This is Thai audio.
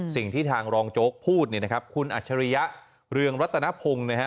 สิ่งที่ทางรองโจ๊กพูดเนี่ยนะครับคุณอัจฉริยะเรืองรัตนพงศ์นะฮะ